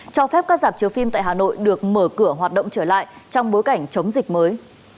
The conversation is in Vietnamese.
cho phép các giảm chiếu phim tại hà nội được mở cửa hoạt động trở lại trong bối cảnh chống dịch mới